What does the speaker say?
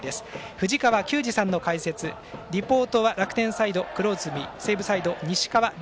藤川球児さんの解説リポートは楽天サイド黒住、西武サイド、西川。